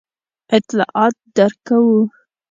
اطلاعات درکوو.